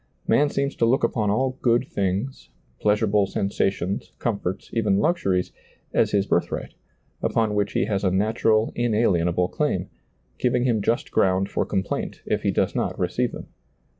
Man seems to look upon all good things, pleasurable sensations, comforts, even luxuries, as his birthright, upon which he has a natural inalienable claim, giving him just ground for complaint if he does not receive them.